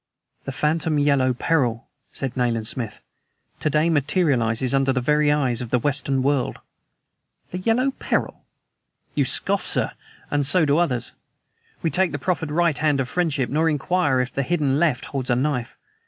"The phantom Yellow Peril," said Nayland Smith, "to day materializes under the very eyes of the Western world." "The 'Yellow Peril'!" "You scoff, sir, and so do others. We take the proffered right hand of friendship nor inquire if the hidden left holds a knife!